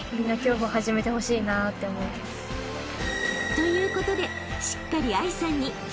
［ということでしっかり藍さんに］